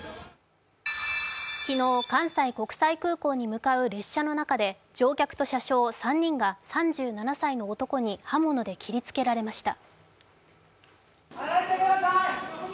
昨日関西国際空港に向かう列車の中で乗客と車掌３人が３７歳の男に刃物で切りつけられました。